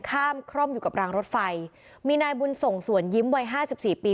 ข้ามคร่อมอยู่กับรางรถไฟมีนายบุญส่งส่วนยิ้มวัย๕๔ปี